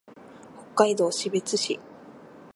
北海道士別市